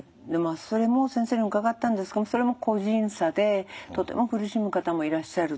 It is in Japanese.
それも先生に伺ったんですがそれも個人差でとても苦しむ方もいらっしゃると。